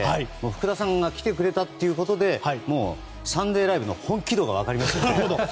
福田さんが来てくれたということでもう「サンデーＬＩＶＥ！！」の本気度が分かりました。